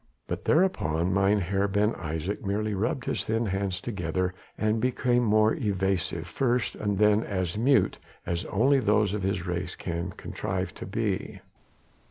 But thereupon Mynheer Ben Isaje merely rubbed his thin hands together and became as evasive first and then as mute as only those of his race can contrive to be.